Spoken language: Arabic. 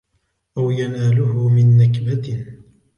أَوْ يَنَالُهُ مِنْ نَكْبَةٍ